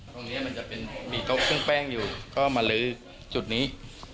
ตรงนี้มันจะเป็นมีโต๊ะซึ่งแป้งอยู่ก็มาลื้อจุดนี้